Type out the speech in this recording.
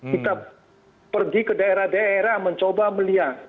kita pergi ke daerah daerah mencoba melihat